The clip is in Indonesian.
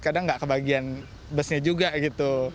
kadang nggak ke bagian busnya juga gitu